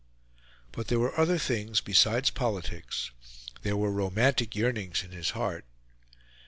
But there were other things besides politics, there were romantic yearnings in his heart.